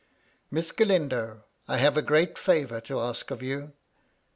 " Miss Galindo, I have a great favour to ask of you."